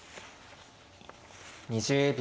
２０秒。